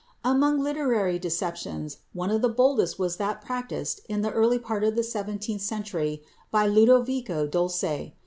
Among literary deceptions one of the boldest was that practised in the early part of the seventeenth century by Ludovico Dolce.